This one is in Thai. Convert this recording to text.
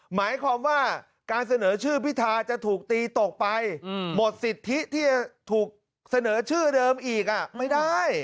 หมายความว่าการเสนอชื่อพิธาจะถูกตีตกไปหมดสิทธิที่จะถูกเสนอชื่อเดิมอีกไม่ได้